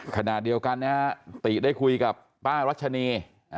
ขณะเดียวกันนะฮะติได้คุยกับป้ารัชนี